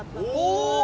お！